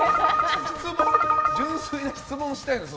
純粋な質問したいの。